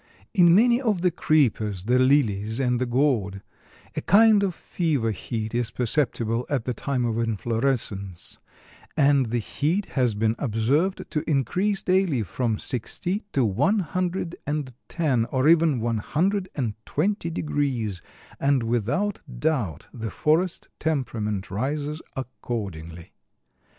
In many of the creepers, the lilies and the gourd, a kind of fever heat is perceptible at the time of inflorescence, and the heat has been observed to increase daily from sixty to one hundred and ten or even one hundred and twenty degrees, and without doubt the forest temperament rises accordingly.